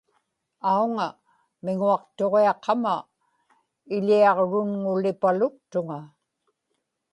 auŋa miŋuaqtuġiaqama iḷiaġrunŋulipaluktuŋa